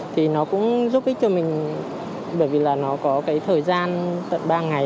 thì nó cũng giúp ích cho mình bởi vì là nó có cái thời gian tận ba ngày